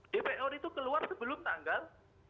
dpr itu keluar sebelum tanggal